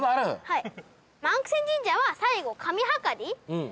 はい。